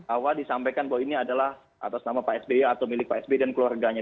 awal disampaikan bahwa ini adalah atas nama pak sby atau milik pak sby dan keluarganya